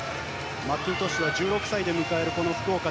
マッキントッシュは１６歳で迎える福岡。